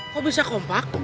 kok bisa kompak